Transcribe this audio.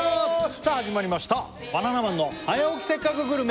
さあ始まりました「バナナマンの早起きせっかくグルメ！！」